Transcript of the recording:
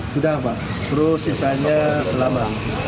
selamat terus sisanya selama